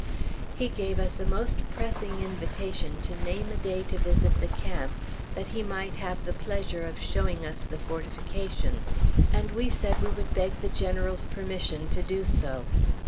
He gave us a most pressing invitation to name a day to visit the camp that he might "have the pleasure of showing us the fortifications," and we said we would beg the General's permission to do so.